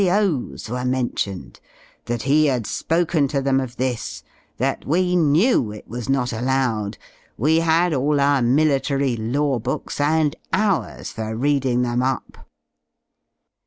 O,*s were mentioned; that he had spoken to them of this; that we knew it was not allowed, we had all our military law books and hours for reading them up.